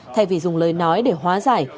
thay vì dùng lời nói để hóa giải